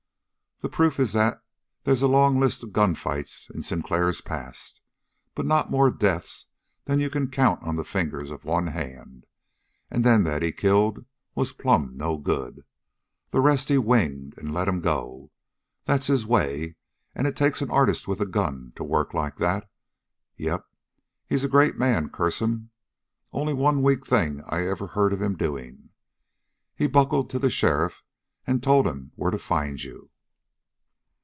"The proof is that they's a long list of gunfights in Sinclair's past, but not more deaths than you can count on the fingers of one hand. And them that he killed was plumb no good. The rest he winged and let 'em go. That's his way, and it takes an artist with a gun to work like that. Yep, he's a great man, curse him! Only one weak thing I ever hear of him doing. He buckled to the sheriff and told him where to find you!"